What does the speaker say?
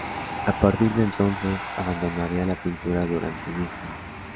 A partir de entonces abandonaría la pintura durante diez años.